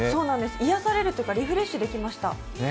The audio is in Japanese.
癒やされるというかリフレッシュできました。